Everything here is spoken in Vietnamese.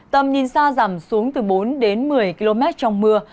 tầm nhìn xa giảm xuống từ bốn đến một mươi km trong mưa